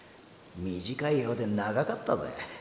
短いようで長かったぜ。